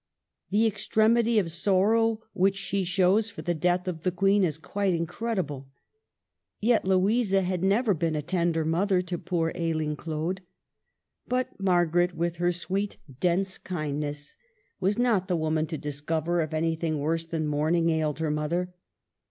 "■ The extremity of sorrow which she shows for the death of the Queen is quite incredible." Yet Louisa had never been a tender mother to poor ailing Claude. But Margaret, with her sweet dense kindness. ^6 MARGARET OF ANGOULEME. was not the woman to discover if anything worse than mourning ailed her mother.